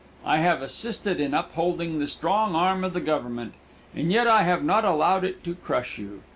I have assisted in upholding the strong arm of the government, and yet I have not allowed it to crush you.